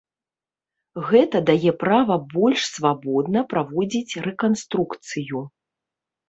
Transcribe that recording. Гэта дае права больш свабодна праводзіць рэканструкцыю.